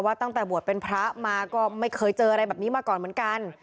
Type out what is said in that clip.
ตั้งแต่บวชเป็นพระมาก็ไม่เคยเจออะไรแบบนี้มาก่อนเหมือนกัน